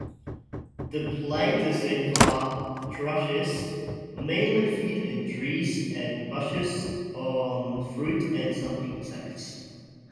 The "Platycichla" thrushes mainly feed in trees and bushes on fruit and some insects.